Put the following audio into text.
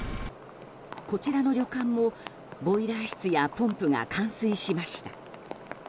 こちらの旅館もボイラー室やポンプが冠水しました。